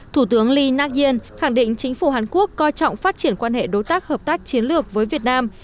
thủ tướng lee nak yen khẳng định chính phủ hàn quốc coi trọng phát triển quan hệ đối tác hợp tác chiến lược với việt nam